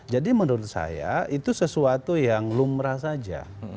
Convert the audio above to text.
jadi menurut saya itu sesuatu yang lumrah saja